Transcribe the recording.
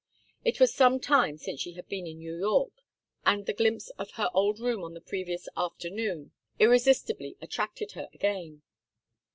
It was some time since she had been in New York, and the glimpse of her old room on the previous afternoon irresistibly attracted her again.